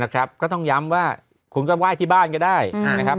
ก็ต้องย้ำว่าคุณก็ไหว้ที่บ้านก็ได้นะครับ